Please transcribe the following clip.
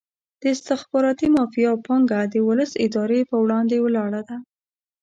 د استخباراتي مافیا پانګه د ولس ارادې په وړاندې ولاړه ده.